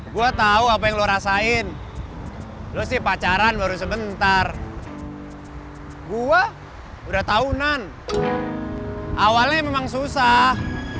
gua tahu apa yang lu rasain lu sih pacaran baru sebentar gua udah tahunan awalnya memang susah